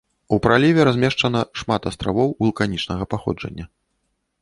У праліве размешчана шмат астравоў вулканічнага паходжання.